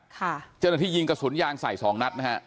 เจ้าหน้าทียิงกระสุนยางใส่๒นัด